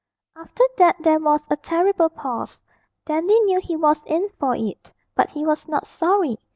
After that there was a terrible pause. Dandy knew he was in for it, but he was not sorry.